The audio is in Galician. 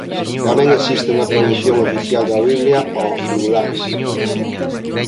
Tamén existe unha tradución oficial da Biblia ao friulano.